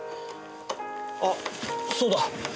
あっそうだ。